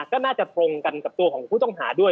ก็น่าจะตรงกันกับตัวของผู้ต้องหาด้วย